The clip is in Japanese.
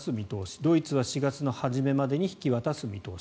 ドイツは４月の初めまでに引き渡す見通し。